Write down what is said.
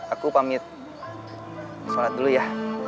aku pamit sholat dulu ya